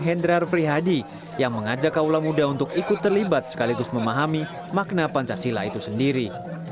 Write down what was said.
hendrar prihadi yang mengajak kaula muda untuk ikut terlibat sekaligus memahami makna pancasila itu sendiri